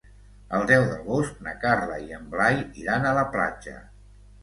El deu d'agost na Carla i en Blai iran a la platja.